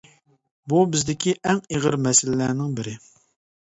بۇ بىزدىكى ئەڭ ئېغىر مەسىلىلەرنىڭ بىرى.